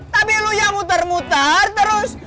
tapi lu ya muter muter terus